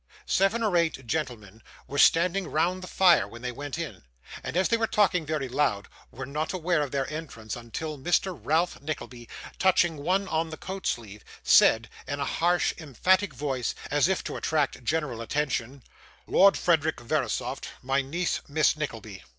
Seven or eight gentlemen were standing round the fire when they went in, and, as they were talking very loud, were not aware of their entrance until Mr. Ralph Nickleby, touching one on the coat sleeve, said in a harsh emphatic voice, as if to attract general attention 'Lord Frederick Verisopht, my niece, Miss Nickleby.